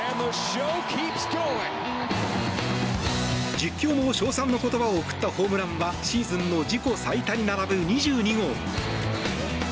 実況も称賛の言葉を送ったホームランはシーズンの自己最多に並ぶ２２号。